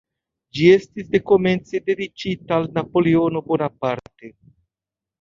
Ĝi estis dekomence dediĉita al Napoleono Bonaparte.